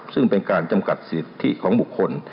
ซึ่งเป็นการจำกัดสิทธิของบุคคล